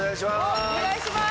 お願いします。